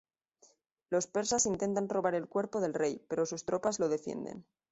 Los persas intentan robar el cuerpo del rey, pero sus tropas lo defienden.